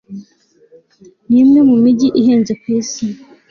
ni umwe mu mijyi ihenze kwisi